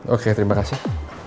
oke terima kasih